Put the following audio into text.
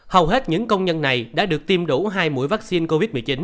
hầu hết những công nhân này đã được tiêm đủ hai mũi vaccine covid một mươi chín